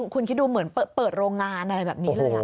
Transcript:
คุณคิดดูเหมือนเปิดโรงงานอะไรแบบนี้เลย